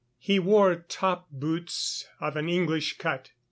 He wore top boots of an English cut.